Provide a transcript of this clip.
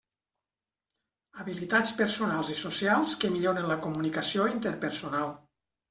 Habilitats personals i socials que milloren la comunicació interpersonal.